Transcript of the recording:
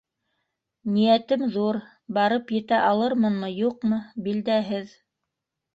Ниәтем ҙур, барып етә алырмынмы - юҡмы - билдәһеҙ.